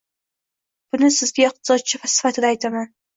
Buni sizga iqtisodchi sifatida aytaman